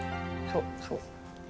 そうそう。